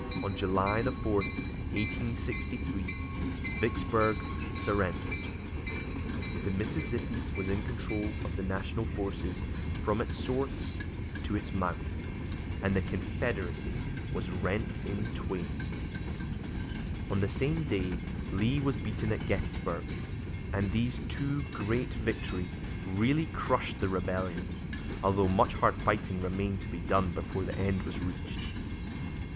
On July 4, 1863, Vicksburg surrendered, the Mississippi was in control of the National forces from its source to its mouth, and the Confederacy was rent in twain. On the same day Lee was beaten at Gettysburg, and these two great victories really crushed the Rebellion, although much hard fighting remained to be done before the end was reached.